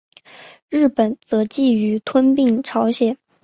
日本则觊觎吞并朝鲜。